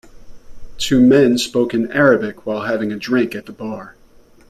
Two men spoke in Arabic while having a drink at the bar.